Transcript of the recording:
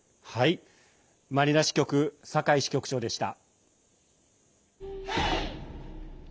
マニラ支局酒井支局長でした。